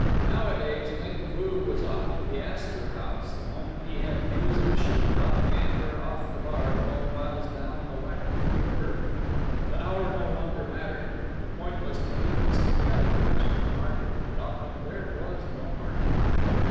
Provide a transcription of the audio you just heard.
Nowadays Ling Foo was off to the Astor House the moment he had news of a ship dropping anchor off the bar twelve miles down the Whangpoo River. The hour no longer mattered; the point was to beat his competitors to the market and often there was no market.